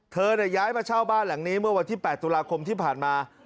ย้ายมาเช่าบ้านหลังนี้เมื่อวันที่๘ตุลาคมที่ผ่านมา